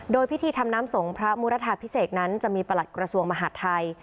โดยพิธีทำน้ำสงฆ์พระมุรทาพิเศษนั้นจะมีประหลัดกระทรวงมหาดไทย